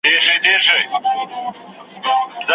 اغیار بدنامه کړی یم شړې یې او که نه.